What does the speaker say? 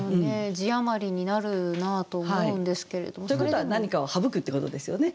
字余りになるなと思うんですけれども。ということは何かを省くってことですよね。